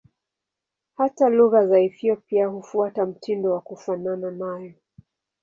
Hata lugha za Ethiopia hufuata mtindo wa kufanana nayo.